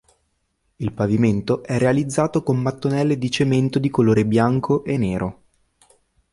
Il pavimento è realizzato con mattonelle di cemento di colore bianco e nero.